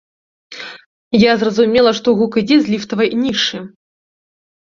Я зразумела, што гук ідзе з ліфтавай нішы.